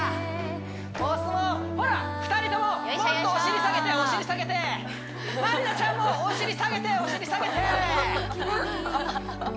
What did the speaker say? お相撲ほら２人とももっとお尻下げてお尻下げてまりなちゃんもお尻下げてお尻下げて！